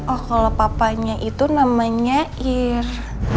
oh kalau papanya itu namanya ir